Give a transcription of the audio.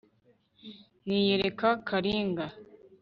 niyereka karinga